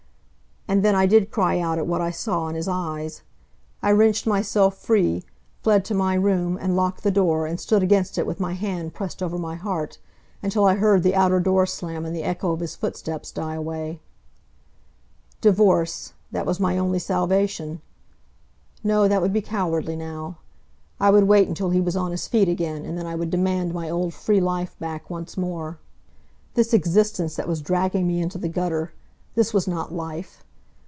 And then I did cry out at what I saw in his eyes. I wrenched myself free, fled to my room, and locked the door and stood against it with my hand pressed over my heart until I heard the outer door slam and the echo of his footsteps die away. Divorce! That was my only salvation. No, that would be cowardly now. I would wait until he was on his feet again, and then I would demand my old free life back once more. This existence that was dragging me into the gutter this was not life!